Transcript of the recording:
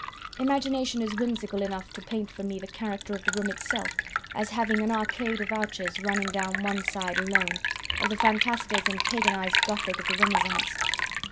Imagination is whimsical enough to paint for me the character of the room itself, as having an arcade of arches running down one side alone, of the fantastic and paganised Gothic of the Renaissance.